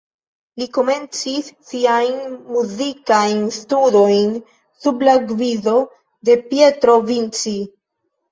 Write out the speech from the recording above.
Li komencis siajn muzikajn studojn sub la gvido de Pietro Vinci.